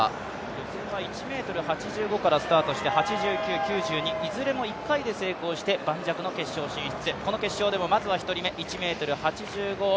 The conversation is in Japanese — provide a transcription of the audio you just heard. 予選は１ｍ８５からスタートして、８９、９２いずれも１回で成功して盤石の決勝進出。